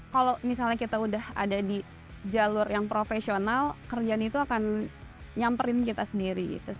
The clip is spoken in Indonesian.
kalau misalnya kita udah ada di jalur yang profesional kerjaan itu akan nyamperin kita sendiri